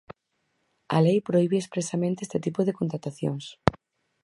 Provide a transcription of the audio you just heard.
A lei prohibe expresamente este tipo de contratacións.